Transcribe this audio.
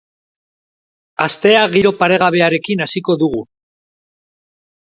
Astea giro paregabearekin hasiko dugu.